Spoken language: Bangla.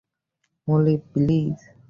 মলি, প্লিজ।